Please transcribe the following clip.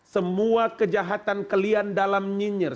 semua kejahatan kalian dalam nyinyir